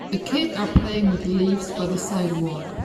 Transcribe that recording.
A kid are playing with leaves by the sidewalk.